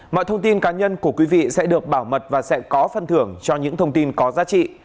mọi thông tin cá nhân của quý vị sẽ được bảo mật và sẽ có phân thưởng cho những thông tin có giá trị